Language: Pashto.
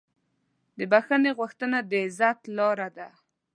د بښنې غوښتنه د عزت لاره ده.